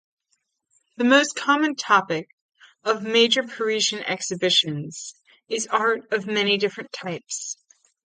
The most common topic of major Parisian exhibitions is art of many different types.